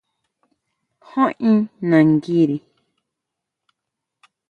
¿Jú in nanguiri?